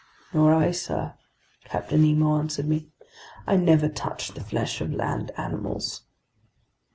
"Nor I, sir," Captain Nemo answered me. "I never touch the flesh of land animals."